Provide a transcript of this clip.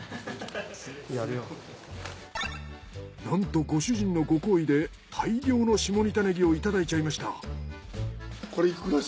なんとご主人のご厚意で大量の下仁田ねぎをいただいちゃいました。